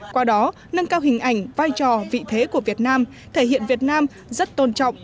qua đó nâng cao hình ảnh vai trò vị thế của việt nam thể hiện việt nam rất tôn trọng